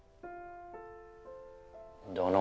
だな。